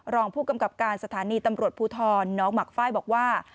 รองผู้กำกับการสถานีตำรวจภูทรน้องหมักไฟล์บอกว่า